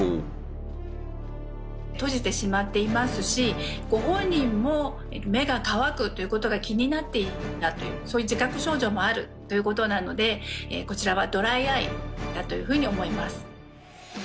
閉じてしまっていますしご本人も目が乾くということが気になっていたというそういう自覚症状もあるということなのでこちらはドライアイだというふうに思います。